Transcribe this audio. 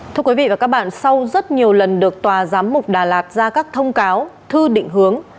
thưa quý vị và các bạn sau rất nhiều lần được tòa giám mục đà lạt ra các thông cáo thư định hướng